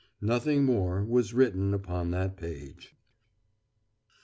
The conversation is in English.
Nothing more was written upon that page.